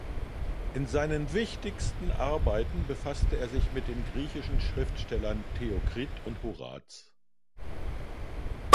In seinen wichtigsten Arbeiten befasste er sich mit den griechischen Schriftstellern Theokrit und Horaz.